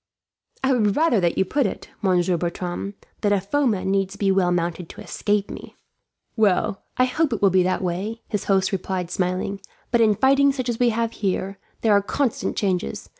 "I would rather that you put it, Monsieur Bertram, that a foeman needs be well mounted to escape me." "Well, I hope it will be that way," his host replied, smiling. "But in fighting such as we have here, there are constant changes.